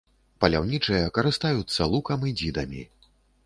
Паляўнічыя карыстаюцца лукам і дзідамі.